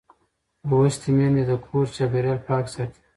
لوستې میندې د کور چاپېریال پاک ساتي.